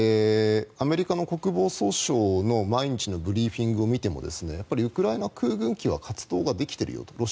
アメリカの国防総省の毎日のブリーフィングを見てもウクライナ空軍機は活動ができているよと。